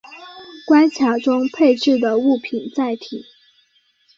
关卡中配置的物品载体。